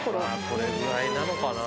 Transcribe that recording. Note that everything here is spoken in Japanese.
これぐらいなのかな。